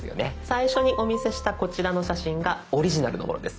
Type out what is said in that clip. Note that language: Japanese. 最初にお見せしたこちらの写真がオリジナルのものです。